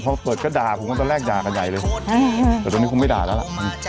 พอเปิดก็ด่าผมก็ตอนแรกด่ากันใหญ่เลยแต่ตอนนี้คงไม่ด่าแล้วล่ะ